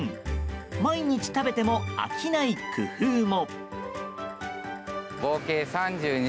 毎日食べても飽きない工夫も。